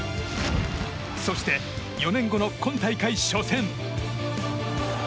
そして、４年後の今大会初戦。